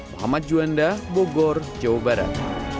muhammad juanda bogor jawa barat